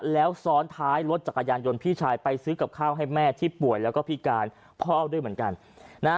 แล้วซ้อนท้ายรถจักรยานยนต์พี่ชายไปซื้อกับข้าวให้แม่ที่ป่วยแล้วก็พิการพ่อด้วยเหมือนกันนะฮะ